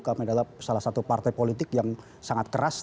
kami adalah salah satu partai politik yang sangat keras